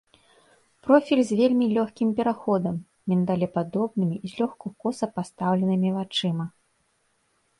Профіль з вельмі лёгкім пераходам, міндалепадобнымі, злёгку коса пастаўленымі вачыма.